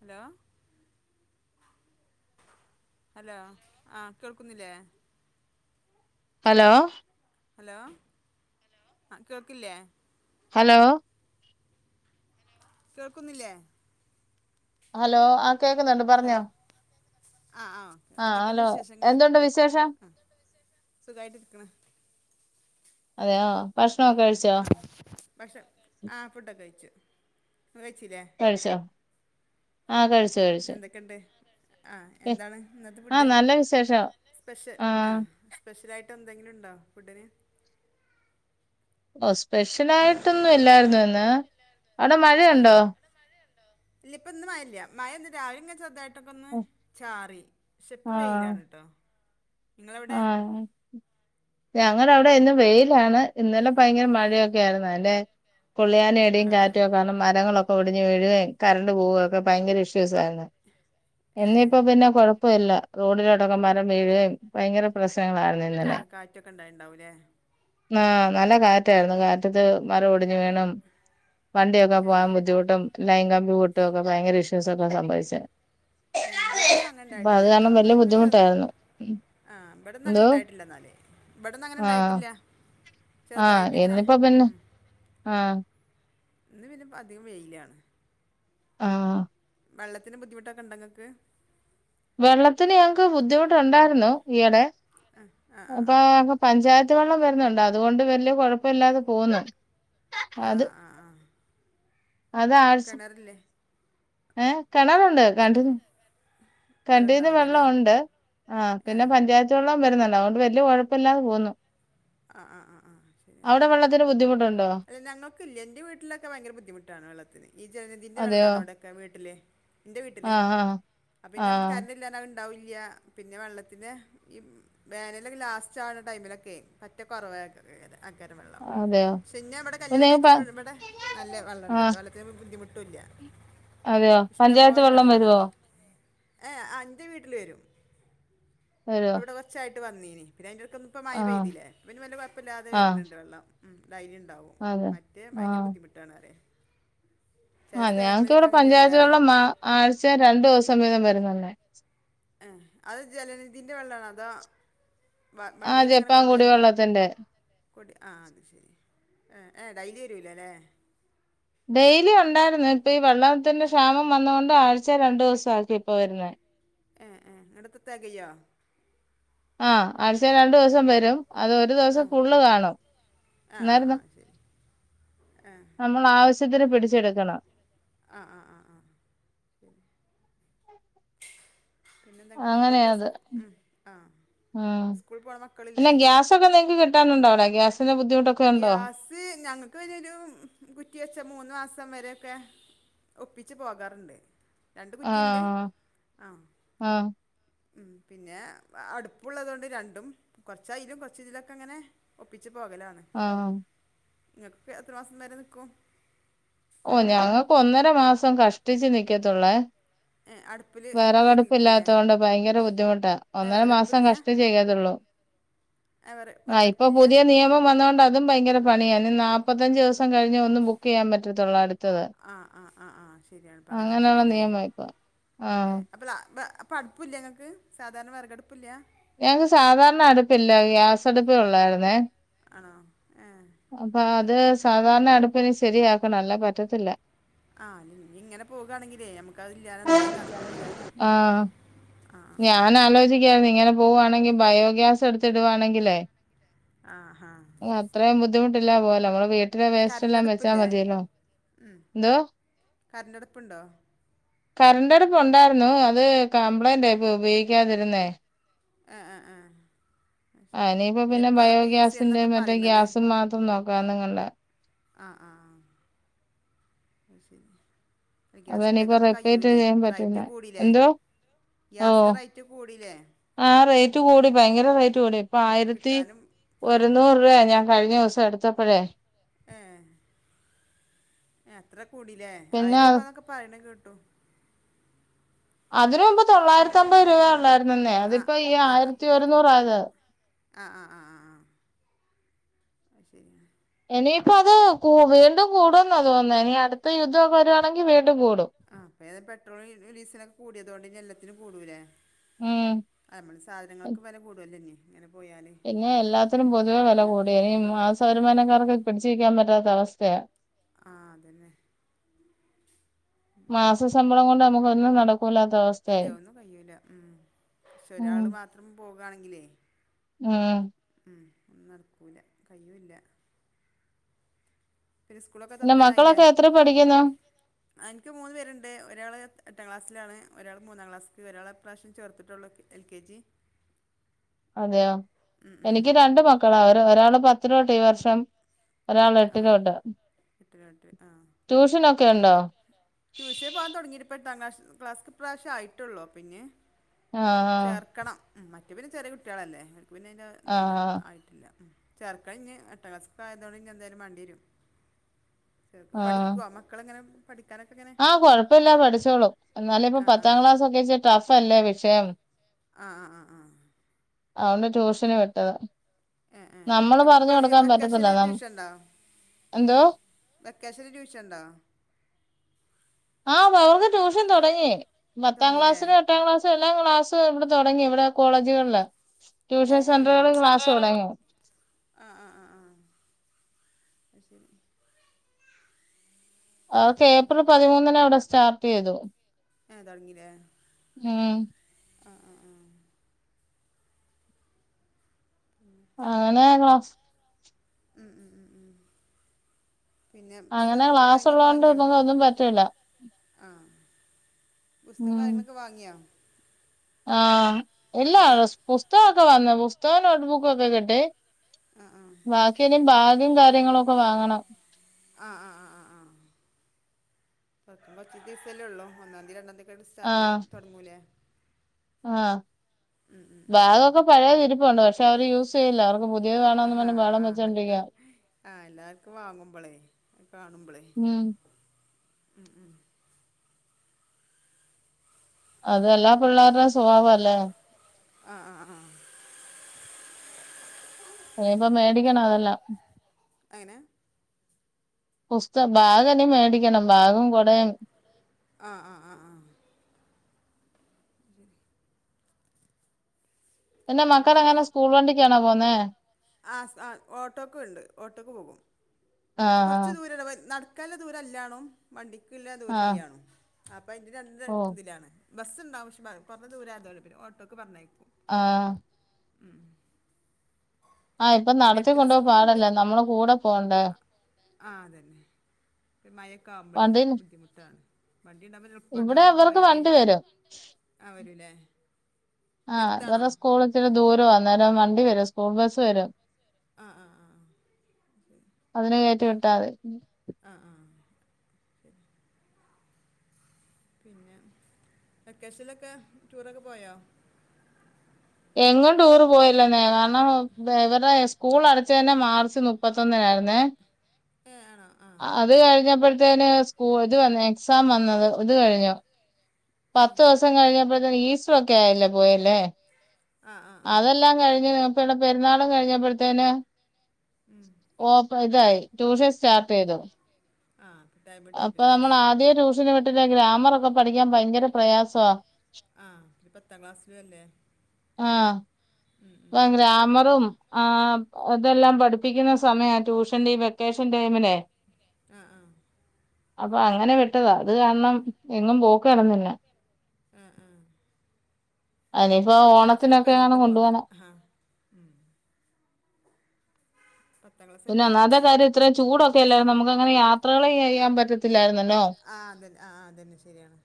Hello. Hello ആഹ് കേൾക്കുന്നില്ലേ hello. Hello അഹ് കേൾക്കില്യേ ഹലോ. കേൾക്കുന്നില്ലേ ഹലോ അഹ് ഹലോ ആഹ് ആഹ് ഒക്കെ ആ എന്തെക്കേണ്ട് ഹലോ വിശേഷങ്ങള് എന്തുണ്ട് വിശേഷം അഹ് സുഖായിട്ടിര്ക്ക്ണ്. അതെയോ ഭക്ഷണോ കഴിച്ചോ ആ ഭക്ഷ ആഹ് ഫുഡൊക്കഴിച്ചു. ഇങ്ങള് കഴിച്ചിലേ കഴിഷാ ഉം എന്തക്കെണ്ട് ആഹ് എന്താണ് ഇന്നത്തെ ആ ഫുഡ് നല്ല വിശേഷം സ്പെഷ്യൽ ആ ആഹ് സ്പെഷ്യലായിട്ടന്തെങ്കിലുണ്ടോ ഫുഡിന് ഓഹ് സ്പെഷ്യലായിട്ടൊന്നും ഇല്ലായിരുന്നു ഇന്ന്. അവിടെ മഴയുണ്ടോ? മഴയുണ്ടോ? ഇല്ല ഇപ്പ ഇന്ന് മഴല്ല്യ. മഴ ന്ന് രാവിലെ ങ്ങനെ ചെറ്തായി ട്ടൊക്കൊന്ന് ചാറി. പക്ഷെ പ്പം വെയിലാണ് ട്ടോ. ആഹ് ഞങ്ങടെ അവിടെ ഇന്നും വേയ് ലാണ്. ഇന്നലെ ഭയര മഴയൊക്കെ ആയിരുന്നു. അൻ്റെ പുള്ളിയാന് ആ ഇടിം ആ കാറ്റും ഒക്കെ കാര്ണം. മരങ്ങളൊക്കെ ഒടിഞ്ഞ് വീഴുകയും കറണ്ട് പോവുകയൊക്കെ ഭയങ്കര ഇഷ്യൂസ് ആയ്രുന്നു. ഇന്നിപ്പോ ഏ പിന്നെ കൊഴപ്പ ഇല്ല. റോഡിലോട്ടൊക്കെ മരം വീഴുകയും ഭയങ്കര പ്രശ്നങ്ങളാ ഏഹ് കാറ്റൊക്കെ ഉണ്ടായിണ്ടാവു ലേ? ന്നാഹ് നല്ല കാറ്റായിരുന്നു കാറ്റത്ത് മരം ഒടിഞ്ഞ് വീണും, വണ്ടിയൊക്കെ ഏഹ് പോവാൻ ബുദ്ധിമുട്ടും ലൈൻ കമ്പി പൊട്ടു ഒക്കെ ഭയങ്കര ഇഷ്യൂസ് ഒക്കെ സംഭവിച്ച്. ഏഹ് ഇബടന്നാ അങ്ങനെ ണ്ടായിട്ടില്ലട്ടോ. കാരണം ഇബടെ വലിയ ങ്ങനെ ചെറ്, ബുദ്ധിമുട്ടായിരുന്നു ആഹ്. വെടെന്നും എന്തോ അങ്ങനെണ്ടായിട്ടില്ല ന്നാല്. ഇവെടന്നാ അങ്ങനെ ആഹ് ണ്ടായിട്ടില്ല. ആഹ് ഇന്നിപ്പ പിന്നെ ഉം ആഹ്. ഇന്ന് പിന്നെ അധികം വെയിലാണ്. ആഹ്. വെള്ളത്തിന് ബുദ്ധിമുട്ടൊക്കെണ്ടൊ ഇങ്ങക്ക്? വെള്ളത്തിന് ഞങ്ങക്ക് ബുദ്ധിമുട്ടുണ്ടായിരുന്നു ഈയിടെ. ആഹ് ആഹ് ആഹ് അപ്പോ, പഞ്ചായത്ത് വെള്ളം വരുന്നുണ്ട് അതുകൊണ്ട് വല്യ കുഴപ്പ ഇല്ലാതെ പോവുന്നു. ആഹ് അത് ആഹ് ആഹ് ആഹ്. അത് ആഴ്സ്, കിണറില്ലേ ഏഹ്? കെണറുണ്ട്. കെണറ്റിൽ, കെൻ്റീന്ന് വെള്ളം ഉണ്ട് ആഹ് ഏഹ് പിന്നെ പഞ്ചായത്ത് വെള്ളം വരുന്നുണ്ട് അതൊണ്ട് വല്യ കുഴപ്പല്ലാതെ പോവുന്നു. ആഹ് ആഹ് ആഹ് ആഹ് ശരിയാണ്. ത്തിന് ബുദ്ധിമുട്ടുണ്ടോ? അല്ല ഞങ്ങക്കില്ല എന്റെ വീട്ടിലൊക്കെ ഭയങ്കര ബുദ്ധിമുട്ടാണ് വെള്ളത്തിന് ഈ ജലനിധിന്റെ അതെയോ വള്ളാണ് അവിടൊക്കെ വീട്ടില്. ഇന്റെ വീട്ടില്. ആഹ് ആഹ് അപ്പപിന്നെ ഞം ആഹ് കരണ്ടില്ലാർഞ്ഞാ അത് ഇണ്ടാവൂല്ല്യ പിന്നെ വെള്ളത്തിനെ ഈ. വേനൽലൊക്കെ ലാസ്റ്റ് ആവ്ണ ടൈമിലൊക്കെ പറ്റെ കൊറവേ കാര ആക്കാരം വെള്ളം. അതെയോ പക്ഷെ ഇന്നെ ഇവടെ കല്യാണം പിന്നെ പ കഴിച്ച ഇവടെ നല്ല വെള്ളണ്ട്ട്ടോ ആഹ് വെള്ളത്തിനു ബുദ്ധിമുട്ടുല്ല്യ. അതെയോ പഞ്ചായത്ത് ഇഷ്ട്ടംപോലെ വെള്ളം വെള്ളാണ്. വരുവോ ഏഹേഹെ. ആഹ് ഇൻ്റെ വീട്ടിൽ വരും. വരുവോ ഇപ്പെവടെ കൊർച്ചായിട്ട് വന്നീനി. പിന്നെ അയിന്റെട്ക്കൊന്ന് ഇപ്പം മഴ ആഹ് പെയുതില്ലേ. അപ്പപിന്നെ വല്ല്യ കുഴപ്പല്ലാതെ ആഹ് വര്ന്ണ്ട് വെള്ളം. ഉം ഡെയ്ലി ണ്ടാവും. അതെ മറ്റേ ഭയങ്കര ആഹ് ബുദ്ധിമുട്ടാണ് പറ്യാ. ആഹ് ഞങ്ങക്ക് ഇവടെ പഞ്ചായത്ത് അറിയേ വെള്ളം മാ ആഴ്ചേ രണ്ടു ദിവസം വീതം വരുന്നെന്നേ. ഏഹ് അത് ജലനിധിന്റെ വെള്ളാണോ അതോ വ ആഹ് മണ്ടീലങ്ങനെ ജപ്പാൻ കൊണ്ടുവര്നെ കുടിവെള്ളത്തിന്റെ കുടി ആഹ് അത് ശരി. ഏഹ്, ഏഹ് ഡെയ്ലി വരൂല്ല ല്ലേ. ഡെയ്ലി ഉണ്ടായിരുന്നു ഇപ്പ ഈ വെള്ളത്തിന്റെ ക്ഷാമം വന്നത്കൊണ്ട് ആഴ്ചേ രണ്ടു ദിവസം ആക്കി ഇപ്പോ വരുന്നേ. ഏഹ് ഏഹ് ഇന്നട്ടെത്താ തെകയോ? ആഹ് ആഴ്ചേ രണ്ടു ദിവസം വരും അത് ഒരു ദിവസം ഫുള്ള് കാണും. ആഹ് ആഹ് അന്നേരം ന- ആഹ് ശരി. ഏഹ്. നമ്മൾ ആവശ്യത്തിന് പിടിച്ചെടുക്കണം. ആഹ് ആഹ് ആഹ് ആഹ്. പിന്നെന്താ ങ്ങക്ക് അങ്ങനെയാ മക്കളൊക്കെ അത് സ്കൂ ഉം ആഹ് സ്കൂളിൽ പോണ മക്കളില്ലേ? സൊക്കെ നിങ്ങക്ക് കിട്ടാനുണ്ടൊ വടെ, ഗ്യാസിന് ബുദ്ധിമു ഗ്യാസ് ഞങ്ങക്ക് വയ്നൊരും കുറ്റി വെച്ച മൂന്ന് മാസം വരെയൊക്കെ ഒപ്പിച്ച് പോകാറ്ണ്ട്. ആഹ് ആഹ് ഉം പിന്നെ അടുപ്പുള്ളദൊണ്ട് രണ്ടും കുറച്ച അയിലും കുറച്ച് ഇതിലൊക്കെ അങ്ങനെ ഒപ്പിച്ച് പോകലാണ് ആഹ് നിങ്ങൾക്കിപ്പോ എത്ര മാസം വരെ നിക്കും ഓ ഞങ്ങക്ക് ഒന്നര മാസം കഷ്ടിച്ചു നിക്കത്തുള്ളേ അടുപ്പിൽ തീ എത്തിക്കൂലേ വിറെകടുപ്പില്ലാത്ത കൊണ്ട് ഭയങ്കര ബുദ്ധിമുട്ടാ ഏ ഒന്നര മാസം വിറകടുപ്പില്ല കഷ്ടിച്ച്നിക്കത്തുള്ളൂ [inaudible] ഏ വിറ ആഹ് ഇപ്പൊ വിറകടുപ്പില്ല പുതിയ നിയമം വന്നൊണ്ട് അതും ഭയങ്കര പണിയാ ഇനി നാപ്പത്തഞ്ച് ദിവസം കഴിഞ്ഞേ ഒന്ന് ബുക്ക് ചെയാൻ പറ്റ ത്തൊള്ള് ആഹ് ആഹ് ആഹ് ആഹ് ശരിയാണിപ്പൊ അങ്ങനെ അങ്ങനെയുള്ള വന്നല്ലൊല്ലേ നിയമ ഇപ്പൊ ആഹ് ഏഹ് അപ്പൊ ള അപ്പ അപ്പൊ അടുപ്പു ല്ലെ ഇങ്ങക്ക് സാധാരണ വിറകടുപ്പില്ലേ ഞങ്ങക്ക് സാധാരണ അടുപ്പില്ല ഗ്യാസടുപ്പേ ഉള്ളായിരുന്നേ ആണോ ഏഹ് അപ്പൊ അത് സാധാരണ അടുപ്പിനി ശരിയാക്കണം അല്ലാതെ പറ്റത്തില്ല ആഹ് ഇനി ഇങ്ങനെ പോവുകയാണെങ്കിലേ നമക്ക് ക്ക് അതില്ലാതെ എന്തായാലും നട കൂല്ല ആഹ് ആഹ് ആഹ് എനിക്ക് തോന്നുന്ന് ഇങ്ങനെ പോവുവാണെങ്കിൽ ബയോഗ്യാസ് എടുത്തിടുവാണെങ്കിലേ ആഹ് ഹാ ഇനി അത്രയും ബുദ്ധിമുട്ടില്ലാതെ പോവാല്ലോ നമ്മടെ വീട്ടിലെ വേസ്റ്റ് കറണ്ട് എല്ലാം വെച്ചാ അടുപ്പില്ലേ മതിയല്ലോ എന്തോ കരണ്ടടുപ്പുണ്ടോ കറണ്ട് അടുപ്പ് ഉണ്ടായിരുന്നു അത് കംപ്ലൈന്റ് ആയി ഇപ്പൊ ഉപയോഗിക്കാതിരുന്നേ ആഹ് ആഹ് ആഹ് ആഹ് ഇനിയിപ്പ പിന്നെ യൂസ് ബയോഗ്യാസിന്റെ ചെയ്യണമെന്നൊക്കെ മറ്റേ പറയണത് ഗ്യാസും മാത്രം നോക്കാന്നുംകണ്ട ആഹ് ആഹ് അത് ശരി ഗ്യാസ് അതനിയിപ്പോ കിട്ടാതാവുമ്പൊ റിപ്പീറ്റ് കയ്യൂല്ലേ ചെയ്യാൻ പറ്റില്ല റൈറ്റ് കൂടിലേ എന്തോ ഗ്യാസിന് ഓഹ് റെയ്റ്റ് കൂടിയില്ലേ ആഹ് റേറ്റ് കൂടി ഭയങ്കര റേറ്റ് കൂടി ഇപ്പൊ ഉം, ആയിരത്തി കിട്ടാനും ആ ഒരുന്നൂറ് രൂപയാ ഞാൻ കഴിഞ്ഞ ദിവസം എടുത്ത പ്പഴേ ഏഹ് അത്ര കൂടില്ലേ ആയിരം പിന്നെ രൂപന്നൊക്കെ പറയണ കേട്ടു അതിന് മുമ്പ് തൊള്ളായിരത്തി അമ്പത് രൂപയ ഉള്ളായിരുന്നന്നെ ആ അതിപ്പോ ഈ ആയിരത്തി ഒരുന്നൂറായത് ആഹ് ആഹ് ആഹ് ആഹ് അത് ശരി ആണ് ഇനിയിപ്പൊ അത് കൂ വീണ്ടും കൂടുവെന്ന തോന്ന്ന്നെ ഇനി അടുത്ത യുദ്ധമൊക്കെ വരുവാണെങ്കിൽ വീണ്ടും കൂടും ആഹ് അപ്പ ഏതാ പെട്രോൾ ഡീസല് ഒക്കെ കൂടിയതുകൊണ്ട് ഇനി എല്ലത്തിനും കൂടൂലേ ഉം ആഹ് നമ്മള് സാധനങ്ങൾക്കും വില കൂടുതൽ അല്ലെ ഇനി ഇങ്ങനെ പോയാല് പിന്നെ എല്ലാത്തിനും പൊതുവെ വില കൂട ഇനി കൂടും മാസ വരുമാനക്കാർക്ക് പിടിച്ചിരിക്കാൻ പറ്റാത്ത അവസ്ഥയാ ആഹ് അതന്നെ മാസ ശമ്പളം കൊണ്ട് നമുക്ക് ഒന്നും നടക് ഇല്ല ഒന്നും കയൂല്ല ഉം പക്ഷെ ഉം ഒരാള് മാത്രം പോകയാണെങ്കിലേ ഉം ഉം ഒന്നും നടക്കുല്ല കഴിയൂല്ല പിന്നെ സ്കൂളൊക്കെ പിന്നെ തോർക്കാറായില്ലേ എത്ര മക്കളൊക്കെ എത്രിൽ പഠിക്കുന്നു പഠിക്കുന്നു എനിക്ക് മൂന്ന് പേരുണ്ട് ഒരാൾ എ ഏട്ട് ക്ലാസ്സിലാണ് ഒരാൾ മൂന്നാം ക്ലാസ്ക്ക്‌ ഒരാൾ ഇപ്രാവശ്യം ചേർത്തിട്ടുള്ളൂക്കെ എൽ കെ ജി അതെയോ ഉം ഉം എനിക്ക് രണ്ട് മക്കളാ ഒര് ഒരാള് പത്തിലോട്ട് ഈ വർഷം. പത്ത് ആ ഒരാളെട്ടിലോട്ട്. എട്ടിൽ എട്ടിൽ ആ ട്യൂഷനൊക്കെ ഉണ്ടോ? ട്യൂഷൻ പോകാൻ തൊടങ്ങിട്ട്‌പ്പെട്ടാം ക്ലാഷ് ക്ലാസ്ക് പ്രാവശ്യായി ട്ടെള്ളൂ പിന്നെ ആഹ് ചേർക്കണം. ഉം മറ്റേ പിന്നെ ചെറിയ കുട്ടികളല്ലേ ഓൽക് പിന്നെ അതിന്റെ തി പ ആഹ് ആയി ട്ടില്ല ചേർകണനി എട്ടാം ക്ലാസ്സക്കെ ആയതോണ്ട് ഇനി എന്തായാലും മാണ്ടി വരും ചേർക്ക ആഹ് പഠിക്കോ മക്കളെങ്ങനെ പഠിക്കാനൊക്കെങ്ങന? ആഹ് കൊഴപ്പല്ല പഠിച്ചോളു എന്നാലിപ്പ ആ ആ പത്താം ക്ലാസ് ഒക്കെച്ച ടഫല്ലേ വിഷയം ആ ആ ആ ആ അഒണ്ട് ട്യൂഷന് വിട്ടത ഏ ഏ നമ്മള് പറഞ്ഞു ഇപ്പോൾ കൊടുക്കാൻ പറ്റത്തില്ല വെക്കേഷനിൽ നം എന്തോ? വെക്കേഷന് ട്യൂഷൻണ്ടോ? ആ പവർക്ക് ട്യൂഷൻ തൊടങ്ങി. പത്താം തുടങ്ങിയില്ലേ ക്ലാസ്സിന് എട്ടാം ക്ലാസ് പെല്ലാ ക്ലാസ്സ് ഇവിടെ തൊടങ്ങി ഇവിടെ കോളേജുകളില് ട്യൂഷൻ സെന്ററുകളില് ക്ലാസ്സ് തൊടങ്ങി ആഹ് ആഹ് ആഹ് അയ് ശരി ആാാാ അഓക്കെ ഏപ്രിൽ പതിമൂന്നിന വിടെ സ്റ്റാർട്ട് ചെയ്തു. ഊ ആഹ് ആഹ് ആ ഉം അങ്ങനെയാ ക്ലാസ് ഉം ഉം ഉം ഉം പിന്നെ അങ്ങനെ ബുസ്തകം ക്ലാസ് കാര്യങ്ങളൊക്കെ ഉള്ളോണ്ട് വാങ്ങിയോ? നമുക്ക് ഒന്നും പറ്റൂല ആഹ് പുസ്തകം ഉം കാര്യങ്ങളൊക്കെ വാങ്ങിയോ? ആഹ് എല്ലാ ചെറിയ പുസ്തകമൊക്കെ വന്ന് പുസ്തകം നോട്ട്ബുക്കൊക്കെ കിട്ടി. ആ ആഹ് ബാക്കിയിന് ബാഗും കാര്യങ്ങളൊക്കെ വാങ്ങണം. ആഹ ആ ആ ആഹ് തൊർക്കാൻ കൊർച്ച് ദിവസല്ലേള്ളൂ ഒന്നാതി രണ്ടാംതീ ക്ഡ് സ്റ്റാർട്ട് ആഹ് തൊടങ്ങൂലേ ആഹ് ബാഗൊക്കെ പഴയതിരുപ്പുണ്ട് പക്ഷെ അവര് യൂസ്യ്ല്ല അവർക്ക് പുതിയത് വേണോന്ന് ആഹ പറഞ്ഞ് ബഹളം ആ അവർക്ക് വെച്ചോണ്ടിരിക്കുവാ ആഹ് എല്ലാർക്കും വാങ്ങുമ്പളേ അഅ് കാണുമ്പളേ ഉം ഉം ഉം അത് എല്ലാ പിള്ളേരുടെ സ്വഭാവാല്ലേ ആഹ് ആഹ് ആഹ് എനിപ്പ മേടിക്കണതെല്ലാം എങ്ങനെ? പുസ്ത ബാഗെല്ലം മേടിക്കണം ബാഗും കൊടേം ആഹ് ആഹ് ആഹ് ആഹ് ശരി അന്റെ പിന്നെ മക്കളങ്ങനെ സ്കൂൾ വണ്ടിക്കാണോ പോന്നേ? ആഹ് സ ഓട്ടോക്കെണ്ട് ഓട്ടോക്ക് പോകും. ആഹ് കൊറച്ചു ആഹ് ദൂര നടക്കല്ല ദൂരല്ലാണു വണ്ടിക്കുള്ള ദൂര ആഹ് ല്ല്യാണു അപ്പൊ തിലെന്ത് ഓഹ് തിലാണ് ബസ് ണ്ടാവും പക്ഷെ ബ കൊർഞ്ഞ ദൂരം [unintelligible] ഓട്ടോക്ക് പറഞ്ഞേകും ആഹ് ഉം ആ ഇപ്പ നടത്തി കൊണ്ടോവാൻ പാടല്ലേ നമ്മള് കൂടെ പോണ്ടേ. അ ആഹ് അതെന്നെ മയക്കവുമ്പോഴേ അപ്പൊ വണ്ടിയിൽ ബുദ്ധിമുട്ടാണ് വണ്ടിണ്ടാവുമ്പൊ എല്ലോ ഇവിടെ ഇപ്പണ്ടൊ ഇവർക്ക് പോയാല് വണ്ടി വരും ആ വെരുലെ ആഹ് ഇവരെ സ്കൂള്ത്തിരി ദൂരവാ ന്നെരം വണ്ടി വരും. സ്കൂൾ ബസ്സ് വരും. ആഹ്, ആഹ്, ആഹ് അതിനെ കേറ്റി വിട്ടാതി. അഹ് ആഹ് പിന്നെ വെക്കേഷൻലൊക്കെ ടൂറൊക്കെ പോയോ എങ്ങും ടൂറ് പോയില്ലന്നെ കാര്ണം വ ഇവർടെ സ്കൂൾ അടച്ചതന്നേ മാർച്ച് മു പ്പത്തൊന്നിനായിര്ന്നേ. ഏ ആണോ ആ അത് കഴിഞ്ഞപ്പഴത്തേന് കൂ ഇത് വന്നെ എക്സാം വന്നത് ഇത് കഴിഞ്ഞോ ആ പത്തു ദിവസം കഴിഞ്ഞപ്പഴത്തേക്ക് ഈസ്സോ ഒക്കെ ആയില്ലേ പോയില്ലേ. ആ ആ ആ അതെല്ലാം കഴിഞ്ഞ് നമുക്ക് ഇവിടെ പെരുന്നാളും കഴിഞ്ഞപ്പഴത്തേന് ഉം. ഓപ് ഇതായി ട്യൂഷൻ സ്റ്റാർട്ട് ചെയ്തു. ആഹ് [unintelligible] അപ്പൊ നമ്മൾ ആദെ ട്യൂഷന് വിട്ടിട്ട് ഗ്രാമറൊക്കെ പഠിക്കാൻ ഭയങ്കര പ്രയാസ. ആഹ് നി പത്താം ക്ലാസ്സിലുവല്ലേ. ആഹ് ഇപ്പ ഉം. ഗ്രാമറും ആഹ് അതെല്ലാം പഠിപ്പിക്കുന്ന സമയ ട്യൂഷൻഈ വെക്കേഷൻ ടൈമിനെ ആഹ് ആഹ് അപ്പൊ അങ്ങനെ പെട്ടതാ അത് കാരണം എങ്ങും പോക്ക് നടന്നില്ല. ആ ആ ഇനിയിപ്പോ പത്താം ക്ലാസ്സൊക്കെ ഓണത്തിനൊക്കെ കയ്ഞ്ഞിട്ട് എങ്ങാനും പോകാം കൊണ്ടുപോണം അഹാ ഉം. പത്താം ക്ലാസ്സൊക്കെ പിന്നൊന്നാമത്തെ കഴിഞ്ഞിട്ടേ കാര്യം ഇത്രേം ചൂടൊക്കെയല്ലായിരുന്നോ അമുക്കങ്ങനെ യാത്രകള് ചെയ്യാൻ പറ്റത്തില്ലായിരുന്നല്ലോ? ആഹ് അതെന്നെ ആഹ് അതെന്നെ ശെരിയാണ്.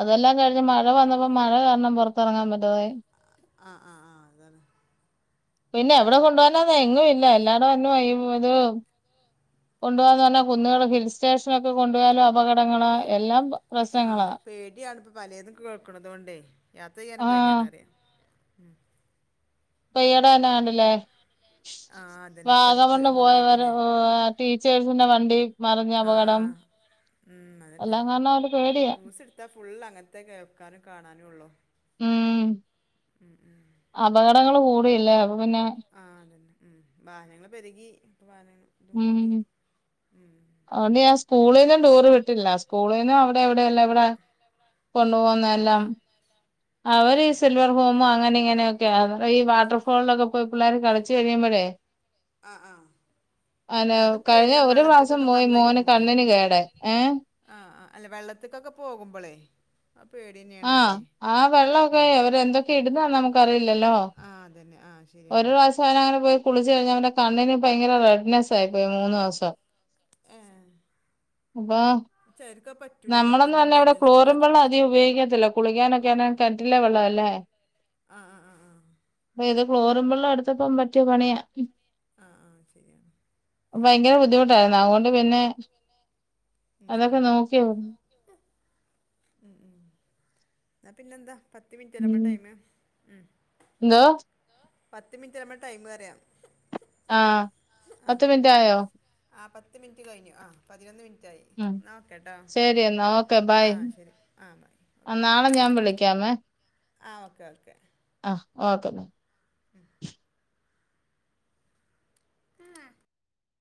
അതെല്ലാം കഴിഞ്ഞ് മഴ വന്നപ്പൊ മഴ കാരണം പൊറത്തെറങ്ങാൻ പറ്റാതായി. ആഹ് ആഹ് ആഹ് അതാണ് പിന്നെ എവിടെ കൊണ്ട് പോവാന എങ്ങും ഇല്ല എല്ലാടെ എന്നും അയ്മുത് ഓ കൊണ്ട് പോ [unintelligible] [unintelligible] കുന്നുകൾ ഒക്കെ ഹിൽ സ്റ്റേഷനൊക്കെ കൊണ്ടു പോയാലും അപകടങ്ങളാ എല്ലാം പ പ്രശ്നങ്ങളാ. പേടിയാണ്പ്പൊ പലെതും കേൾക്ക്ണതോണ്ടേ യാത്ര ചെയ്യാനും ആ പേടിയാണ് പറയ. ഇപ്പെയ്യിടെ തന്നെ കണ്ടിലെ ആഹ് അതന്നെ ഇപ്പടുത്ത് വാഗമണ്ണ് നമ്മള് പോയവര് കേട്ടില്ലേ ഓ വാ ടീച്ചേയ്സിന്റെ വണ്ടീ ആഹ് ഉം അതെന്നെ. എല്ലാം കാരണം അവര് പേടിയാ ന്യൂസ് ഇട്ത്താ ഫുള്ള് അങ്ങൻത്തെ കേൾക്കാനും കാണാനും ഒള്ളു. ഉം ഉം, ഉം അപകടങ്ങള് കൂടിയില്ലേ. അപ്പ പിന്നെ ആഹ് ഉം അതെന്നെ ഉം വാഹനങ്ങൾ പെരുകി ഇപ്പ വാഹനങ്ങൾ ഇതും കൂടി ഉം. അതോണ്ട് ഞാൻ സ്കൂളിലും ടൂറ് വിട്ടില്ല സ്കൂളിന്നും അവ്ടെ എവ്ടെ എല്ലാവ്ടേ കൊണ്ടു പോകുന്നഎല്ലാം അവര് ഏഹ് സിൽവർഹോ കുമ്പോ അങ്ങനെ ഇങ്ങനെയൊക്കെ ആര്ന്നു ഈ വാട്ടർഫോളിലൊക്കെ പോയി പിള്ളാർ കളിച്ച് കഴിയുമ്പഴേ ആഹ് ആഹ് ഹലോ അല്ല അതും കഴിഞ്ഞ പേടിയാണ് ഒരു മാസം വെള്ളത്തിക്കൊക്കെ പോയി മോന് പറഞ്ഞയക്കുമ്പോളേ കണ്ണിന് കേടെ ഏഹ് ആഹ് ആഹ് അല്ലെ വെള്ളത്ത്ക്കൊക്കെ പോകുമ്പോളെ അ പേടിയന്നെ ആഹ് ആ വെള്ളവൊക്കെ അവരെന്തൊക്കെ ഇടുന്നന്ന് നമുക്കറിയില്ലല്ലോ ആഹ് അതെന്നെ ആ ഒരു ശരിയാണ് പ്രാവശ്യം അവനങ്ങനെ പോയി കുളിച്ച് കഴിഞ്ഞ അവന്റെ കണ്ണിന് ഭയങ്കര റെഡ്നെസ് ആയി പോയി മൂന്നൊസം. വാഹ് സെര്ക് പറ്റ് നമ്മളന്ന വന്നെ ഇവിടെ ക്ലോറിം വെള്ളം അധികം ഉപയോഗിക്കത്തില്ല കുളിക്കാനൊക്കെ കെൻറ്റിലെ വെള്ളം അല്ലേ ആഹ് ആഹ് ആഹ് ആഹ് ഇത് ക്ലോറിൻ വെള്ളം എടുത്തപ്പം പറ്റിയ പണിയാ ആഹ് ആഹ് ശരിയാണ് ഭയങ്കര ബുദ്ധിമുട്ടായിരുന്നു അതുകൊണ്ട് പിന്നെ ഉം അതൊക്കെ ഉം നോക്കിയോ ന്നാ പിന്നെന്താ പത്ത് മിനിറ്റ് അല്ലെ നമ്മടെ ഉം ടൈം എന്തോ പത്ത് മിനിറ്റല്ലെ നമ്മ ടൈമ് പറയാ ആഹ് പത്ത് മിനിറ്റ് ആയോ ആഹ് പത്ത് മിനിറ്റ് കഴിഞ്ഞു ആഹ് പതിനൊന്ന് മിനിറ്റയി ഉം ന്നാൽ ഓക്കെട്ടോ ശരി ആഹ് ശരി ആഹ് ബൈ ആഹ് നാളെ ഞാൻ വിളിക്കാമേ ആഹ് ഓക്കെ ഓക്കെ ആഹ് ഓക്കെന്ന ഉം ഇമ്മ